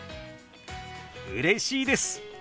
うれしいです！